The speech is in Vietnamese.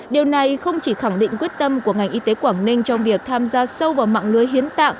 điều này không chỉ khẳng định quyết tâm của ngành y tế quảng ninh trong việc tham gia sâu vào mạng lưới hiến tạng